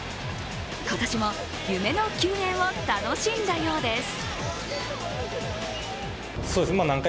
今年も夢の球宴を楽しんだようです。